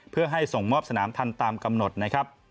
เพื่อให้ส่งมอบสนามทันตามกำหนดนะครับ